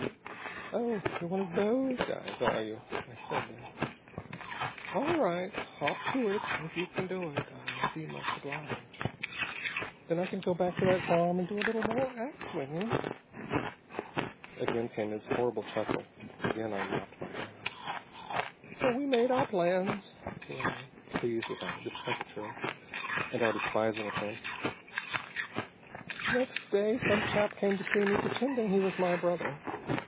'Oh, you're one of those guys, are you?' I said then. 'All right, hop to it. If you can do it I'll be much obliged. Then I can go back on that farm and do a little more ax swinging!'" Again came his horrible chuckle, again I mopped my brow. "So we made our plans," he went on, pleased with our discomfiture and our despising of him. "Next day some chap came to see me, pretending he was my brother.